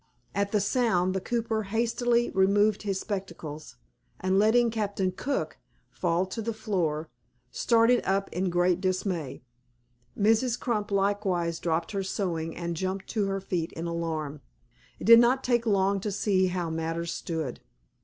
At the sound, the cooper hastily removed his spectacles, and letting "Captain Cook" fall to the floor, started up in great dismay Mrs. Crump likewise dropped her sewing, and jumped to her feet in alarm. It did not take long to see how matters stood.